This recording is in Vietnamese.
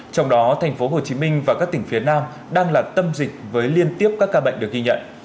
trong đó thành phố hồ chí minh và các tỉnh phía nam đang là tâm dịch với liên tiếp các ca bệnh được ghi nhận